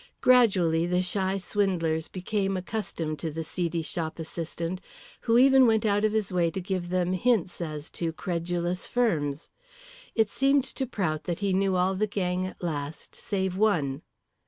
Gradually the shy swindlers became accustomed to the seedy shop assistant, who even went out of his way to give them hints as to credulous firms. It seemed to Prout that he knew all the gang at last save one.